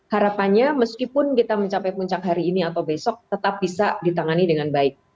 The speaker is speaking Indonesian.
harapannya meskipun kita mencapai puncak hari ini atau besok tetap bisa ditangani dengan baik